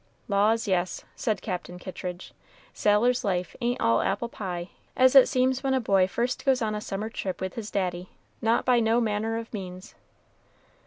"Laws, yes," said Captain Kittridge; "sailor's life ain't all apple pie, as it seems when a boy first goes on a summer trip with his daddy not by no manner o' means."